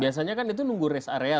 biasanya kan itu nunggu rest area